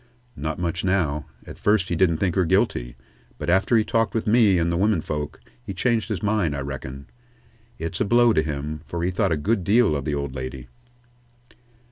"Not much, now. At first he didn't think her guilty, but after he talked with me and the women folks, he changed his mind, I reckon. It's a blow to him, for he thought a good deal of the old lady."